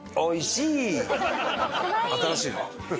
新しいの。